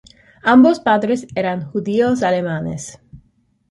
Ambos padres eran judíos alemanes.